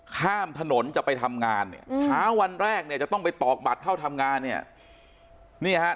ข้ามถนนจะไปทำงานช้าวันแรกจะต้องไปตอกบัตรเข้าทำงาน